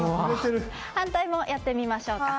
反対もやってみましょうか。